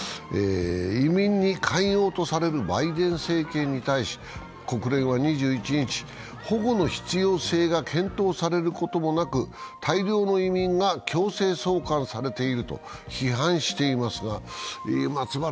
移民に寛容とされるバイデン政権に対し、国連は２１日、保護の必要性が検討されることもなく、大量の移民が強制送還されていると批判しています。